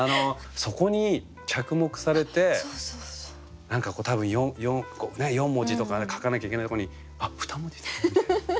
そこに着目されて何か多分４文字とか書かなきゃいけないとこにあっふた文字みたいな。